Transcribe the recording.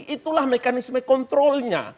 itulah mekanisme kontrolnya